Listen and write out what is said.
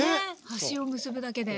端を結ぶだけで。